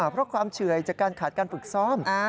เพราะความเฉื่อยจากการขาดการฝึกซ้อม